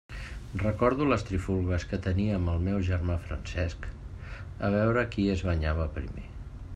Recordo les trifulgues que tenia amb el meu germà Francesc a veure qui es banyava primer.